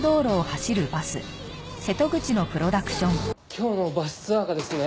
今日のバスツアーがですね